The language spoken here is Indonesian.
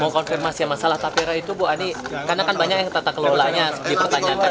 mau konfirmasi masalah tapera itu bu ani karena kan banyak yang tata kelolanya dipertanyakan